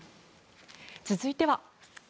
続いては。